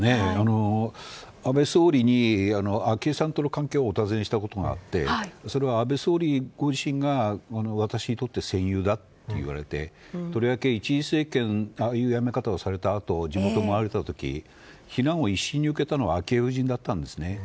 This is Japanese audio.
安倍総理に昭恵さんとの関係をお尋ねしたことがあってそれは安倍元総理自身が私にとって戦友だといわれてとりわけ１次政権ああいう辞め方をされたあと地元を回られた時非難を一身に受けたのは昭恵夫人だったんですね。